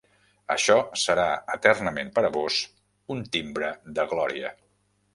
Això serà eternament per a vós un timbre de glòria.